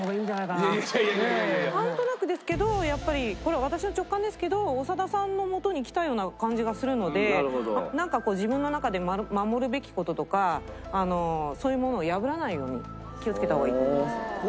なんとなくですけどやっぱりこれは私の直感ですけど長田さんのもとに来たような感じがするのでなんかこう自分の中で守るべき事とかそういうものを破らないように気を付けた方がいいと思います。